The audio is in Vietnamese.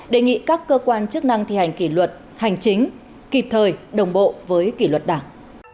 đề nghị các cơ quan chức năng thi hành kỷ luật hành chính kịp thời đồng bộ với kỷ luật đảng